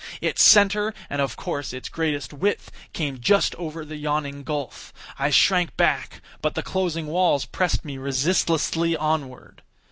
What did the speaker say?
Its centre, and of course, its greatest width, came just over the yawning gulf. I shrank back—but the closing walls pressed me resistlessly onward.